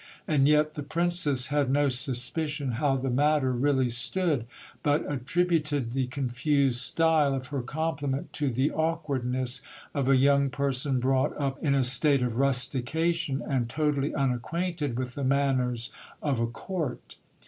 And yet the princess had no suspicion how the matter really stood ; but attributed the confused style of her compliment to the awkwardness of a young person brought up in a state of rustication, and totally unacquainted with the manners of a court.